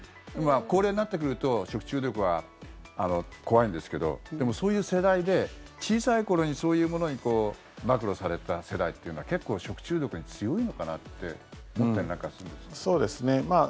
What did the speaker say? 高齢になってくると食中毒は怖いんですけどでも、そういう世代で小さい頃にそういうものに暴露された世代というのは結構、食中毒に強いのかなって思ったりなんかするんですけど。